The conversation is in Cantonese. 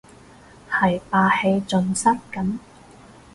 係霸氣盡失咁